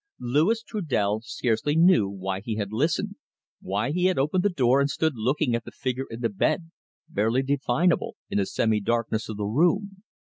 Louis Trudel scarcely knew why he had listened, why he had opened the door and stood looking at the figure in the bed, barely definable in the semi darkness of the room.